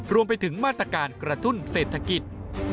รวมไปถึงมาตรการกระตุ้นเศรษฐกิจ